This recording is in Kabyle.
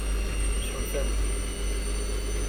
Cemmten-t.